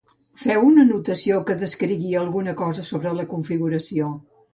Feu una anotació que descrigui alguna cosa sobre la configuració.